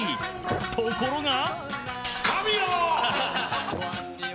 ところが。